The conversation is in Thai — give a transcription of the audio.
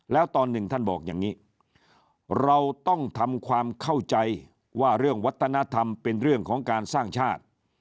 แล้วตอนหนึ่งท่านบอกอย่างนี้เราต้องทำความเข้าใจว่าเรื่องวัฒนธรรมเป็นเรื่องของการสร้างชาติ